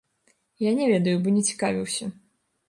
Я не ведаю, бо не цікавіўся.